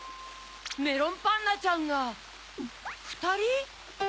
メロンパンナちゃんがふたり？